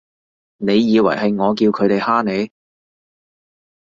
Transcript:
你以為係我叫佢哋㗇你？